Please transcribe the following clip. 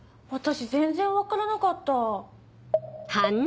私全然分からなかった。